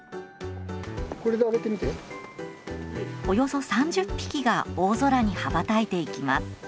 およそ３０匹が大空に羽ばたいていきます。